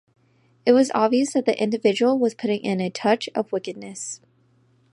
It was obvious that the individual was putting in a touch of wickedness...